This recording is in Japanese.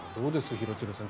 廣津留さん